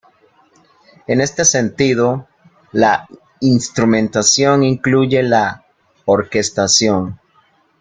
En este sentido, la instrumentación incluye la orquestación.